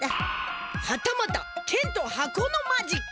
はたまたけんと箱のマジック！